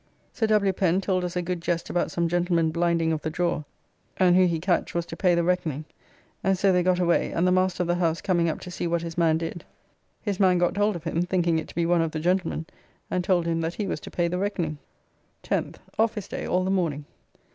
Sir W. Pen told us a good jest about some gentlemen blinding of the drawer, and who he catched was to pay the reckoning, and so they got away, and the master of the house coming up to see what his man did, his man got hold of him, thinking it to be one of the gentlemen, and told him that he was to pay the reckoning. 10th. Office day all the morning.